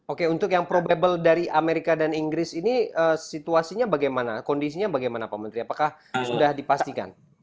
oke untuk yang probable dari amerika dan inggris ini situasinya bagaimana kondisinya bagaimana pak menteri apakah sudah dipastikan